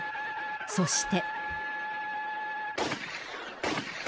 そして。